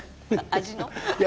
味の。